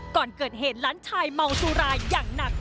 ก่อนเกิดเหตุหลานชายเมาสุราอย่างหนัก